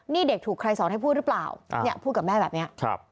นี่เด็กถูกใครสอนให้พูดหรือเปล่าเนี่ยพูดกับแม่แบบนี้